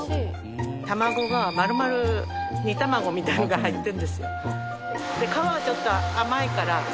卵が丸々煮卵みたいなのが入ってるんですよ。